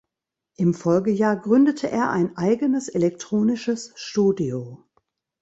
Im Folgejahr gründete er ein eigenes elektronisches Studio.